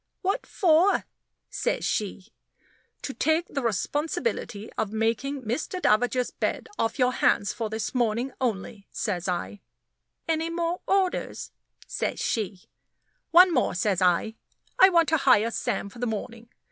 "What for?" says she. "To take the responsibility of making Mr. Davager's bed off your hands for this morning only," says I. "Any more orders?" says she. "One more," says I. "I want to hire Sam for the morning.